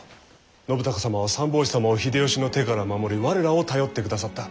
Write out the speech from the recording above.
信孝様は三法師様を秀吉の手から守り我らを頼ってくださった。